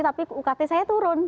tapi ukt saya turun